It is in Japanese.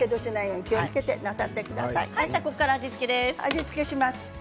味付けします。